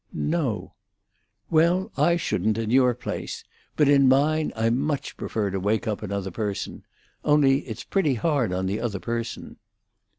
"No." "Well, I shouldn't, in your place. But in mine, I much prefer to wake up another person. Only it's pretty hard on the other person."